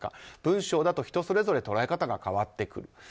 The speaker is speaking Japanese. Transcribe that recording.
文章だと人それぞれ捉え方が変わってくる。